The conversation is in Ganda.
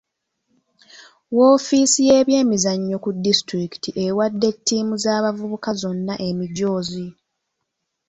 Woofiisi y'ebyemizannyo ku disitulikiti ewadde ttiimu z'abavubuka zonna emijoozi.